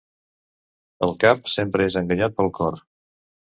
El cap sempre és enganyat pel cor.